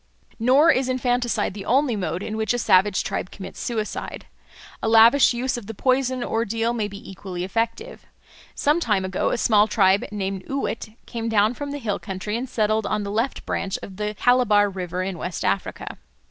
Nor is infanticide the only mode in which a savage tribe commits suicide. A lavish use of the poison ordeal may be equally effective. Some time ago a small tribe named Uwet came down from the hill country, and settled on the left branch of the Calabar River in West Africa.